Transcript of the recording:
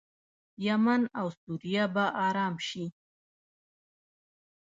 یمن او سوریه به ارام شي.